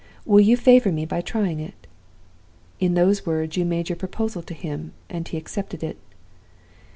Will you favor me by trying it?" In those words, you made your proposal to him, and he accepted it.